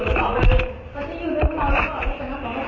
ล้อมเท่าไหร่กู